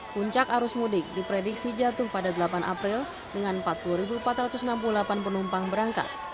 puncak arus mudik diprediksi jatuh pada delapan april dengan empat puluh empat ratus enam puluh delapan penumpang berangkat